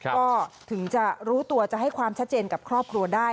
ก็ถึงจะรู้ตัวจะให้ความชัดเจนกับครอบครัวได้